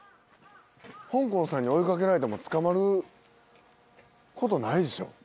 ほんこんさんに追い掛けられても捕まることないでしょ？